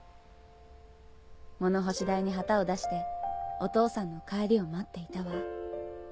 物干し台に旗を出してお父さんの帰りを待っていたわ。